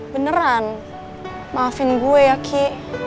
beneran maafin gue ya ki